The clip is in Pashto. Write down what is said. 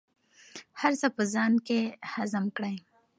هر څه په ځان کې هضم کړئ.